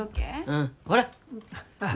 うんほらっ